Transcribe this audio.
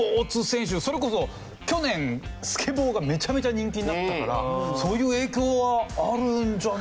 それこそ去年スケボーがめちゃめちゃ人気になったからそういう影響はあるんじゃないかなと思いますね。